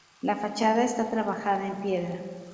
La fachada está trabajada en piedra.